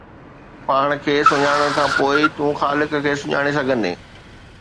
پاڻ کي سڃاڻڻ کان پوءِ ئي تون خالق کي سڃاڻي سگهندين